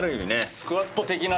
スクワット的なね。